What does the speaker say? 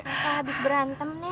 raka habis berantem nek